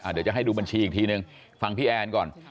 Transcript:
เดี๋ยวจะให้ดูบัญชีอีกทีนึงฟังพี่แอนก่อน